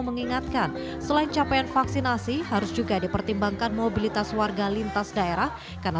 mengingatkan selain capaian vaksinasi harus juga dipertimbangkan mobilitas warga lintas daerah karena